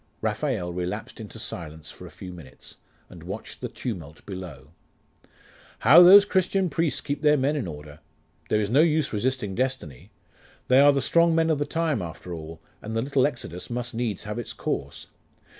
Raphael relapsed into silence for a few minutes, and watched the tumult below. 'How those Christian priests keep their men in order! There is no use resisting destiny. They are the strong men of the time, after all, and the little Exodus must needs have its course.